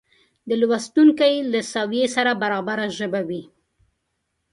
د لوستونکې له سویې سره برابره ژبه وي